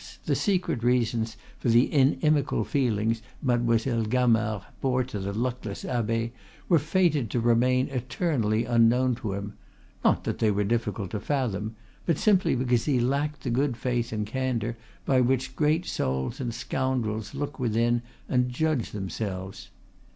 the secret reasons for the inimical feelings Mademoiselle Gamard bore to the luckless abbe were fated to remain eternally unknown to him, not that they were difficult to fathom, but simply because he lacked the good faith and candor by which great souls and scoundrels look within and judge themselves.